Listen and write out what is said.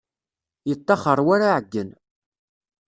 Yettaxer war aɛeyyen.